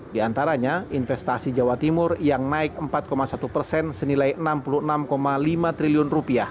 di antaranya investasi jawa timur yang naik empat satu persen senilai rp enam puluh enam lima triliun